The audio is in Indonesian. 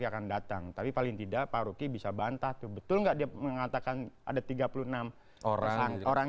akan datang tapi paling tidak pak ruki bisa bantah tuh betul nggak dia mengatakan ada tiga puluh enam orang